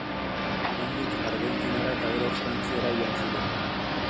Handik Argentinara eta gero Frantziara joan ziren.